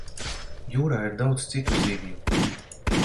Jūrā ir daudz citu zivju.